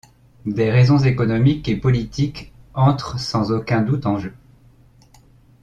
Des raisons économiques et politiques entrent sans aucun doute en jeu.